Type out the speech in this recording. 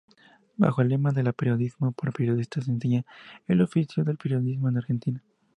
Bajo el lema de "Periodismo por Periodistas", enseña el oficio del periodismo en Argentina.